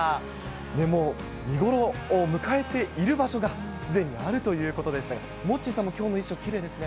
もう見頃を迎えている場所がすでにあるということでしたが、モッチーさんもきょうの衣装、きれいですね。